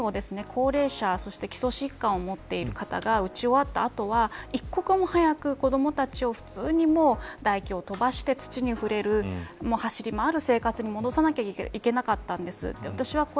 ワクチンを高齢者そして基礎疾患を持っている方が打ち終わった後は一刻も早く子どもたちを普通に、だ液を飛ばして土に触れる走り回る生活に戻さなきゃいけなかったんです。